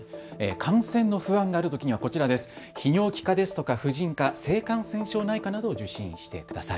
感染の不安があるときには泌尿器科ですとか婦人科、性感染症内科などを受診してください。